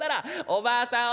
おばあさん